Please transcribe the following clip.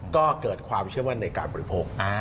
ก็เกิดความเชื่อมั่นในการบริโภค